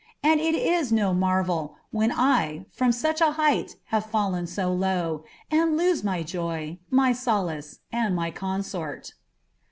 And it is no marvel, when I from such a height have fallen so low, and lose niy Joy, my sohice, and my consort."